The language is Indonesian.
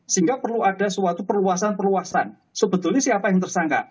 sehingga perlu ada suatu perluasan perluasan sebetulnya siapa yang tersangka